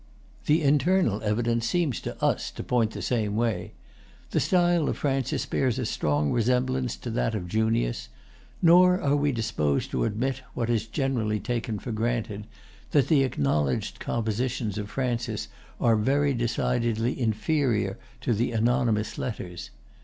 The internal evidence seems to us to point the same way. The style of Francis bears a strong resemblance to that of Junius; nor are we disposed to admit, what is generally taken for granted, that the acknowledged compositions of Francis are very decidedly inferior to the anonymous letters.